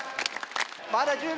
まだ１０秒。